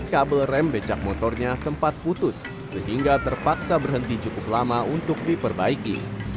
kabel rem becak motornya sempat putus sehingga terpaksa berhenti cukup lama untuk diperbaiki